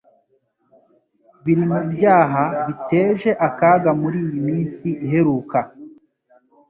Biri mu byaha biteje akaga muri iyi minsi iheruka,